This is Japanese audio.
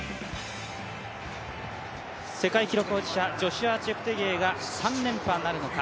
世界記録保持者ジョシュア・チェプテゲイが３連覇なるのか。